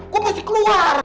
gua mesti keluar